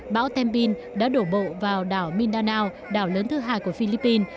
bão tem bin đã đổ bộ vào đảo mindanao đảo lớn thứ hai của philippines